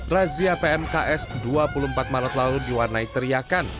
razia pmks dua puluh empat maret lalu diwarnai teriakan